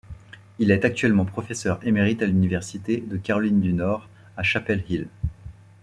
Il est actuellement professeur émérite à l'université de Caroline du Nord à Chapel Hill.